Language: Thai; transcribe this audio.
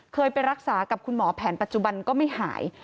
เคยไปรักษากับคุณหมอแผนปัจจุบันก็ไม่หาย